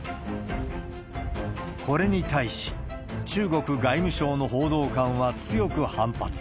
これに対し、中国外務省の報道官は強く反発。